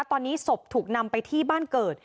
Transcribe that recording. ตอนนี้ศพถูกนำไปที่บ้านเกิด